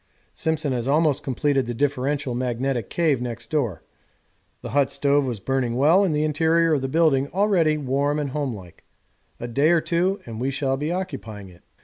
Simpson has almost completed the differential magnetic cave next door. The hut stove was burning well and the interior of the building already warm and homelike a day or two and we shall be occupying it.